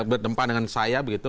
dalam pandangan saya begitu